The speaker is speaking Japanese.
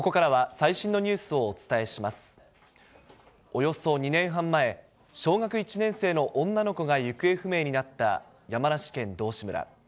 およそ２年半前、小学１年生の女の子が行方不明になった山梨県道志村。